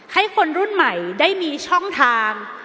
ให้คนรุ่นใหม่ได้มีช่องทาง